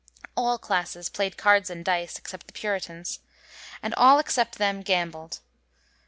All classes playd cards and dice, except the Puritans, and all except them gambled.